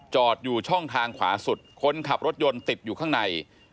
จอดอยู่ช่องทางขวาสุดคนขับรถยนต์ติดอยู่ข้างใน